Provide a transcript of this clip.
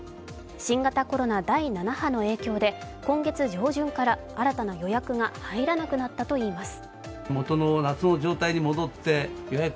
新型コロナ第７波の影響で今月上旬から新たな予約が入らなくなったといいます。